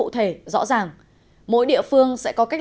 để rõ ràng mỗi địa phương sẽ có cách